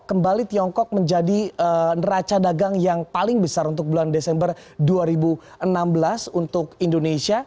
kembali tiongkok menjadi neraca dagang yang paling besar untuk bulan desember dua ribu enam belas untuk indonesia